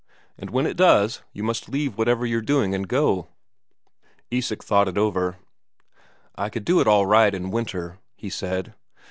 And when it does, you must leave whatever you're doing and go." Isak thought it over. "I could do it all right in winter," he said.